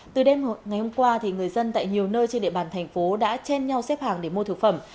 từ đêm ngày hôm qua người dân tại nhiều nơi trên địa bàn thành phố đã chen nhau xếp hàng để mua thực phẩm